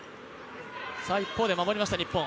一方で守りました、日本。